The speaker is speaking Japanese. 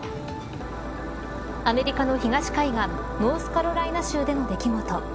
アメリカの東海岸ノースカロライナ州での出来事。